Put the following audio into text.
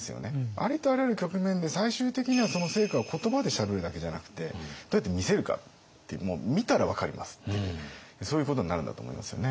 ありとあらゆる局面で最終的にはその成果を言葉でしゃべるだけじゃなくてどうやって見せるかってもう見たら分かりますっていうそういうことになるんだと思いますよね。